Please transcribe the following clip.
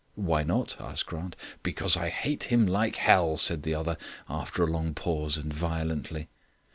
"Why not?" asked Grant. "Because I hate him like hell," said the other, after a long pause and violently.